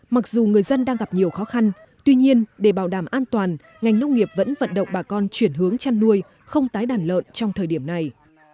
mặc dù người dân đang gặp nhiều khó khăn tuy nhiên để bảo đảm an toàn ngành nông nghiệp vẫn vận động bà con chuyển hướng chăn nuôi không tái đàn lợn trong thời điểm này